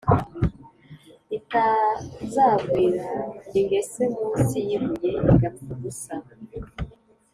itazagwira ingese mu nsi y’ibuye, igapfa ubusa.